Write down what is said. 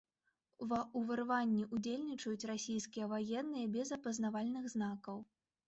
Ва ўварванні ўдзельнічаюць расійскія ваенныя без апазнавальных знакаў.